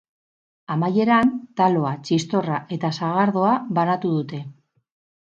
Amaieran, taloa, txistorra eta sagardoa banatu dute.